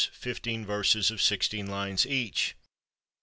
fifteen verses of sixteen lines each.